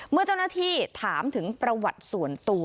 เมื่อเจ้าหน้าที่ถามถึงประวัติส่วนตัว